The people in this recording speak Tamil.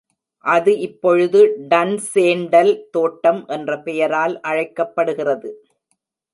அது இப்பொழுது டன்சேண்டல் தோட்டம் என்ற பெயரால் அழைக்கப்படுகிறது.